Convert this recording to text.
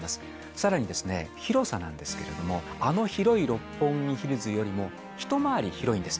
さらに広さなんですけれども、あの広い六本木ヒルズよりも、一回り広いんです。